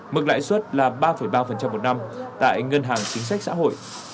mức lãi suất là ba ba một năm tại ngân hàng chính sách xã hội